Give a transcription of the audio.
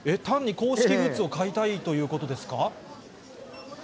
単に公式グッズを買いたいということですか？